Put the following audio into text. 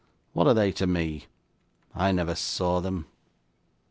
What are they to me! I never saw them.